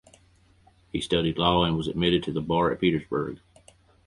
He studied law, and was admitted to the bar at Petersburg.